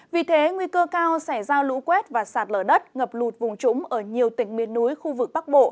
vì thế nguy cơ cao sẽ giao lũ quét và sạt lở đất ngập lụt vùng trúng ở nhiều tỉnh miền núi khu vực bắc bộ